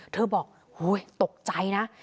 เธอบอกโอ้ยตกใจนะ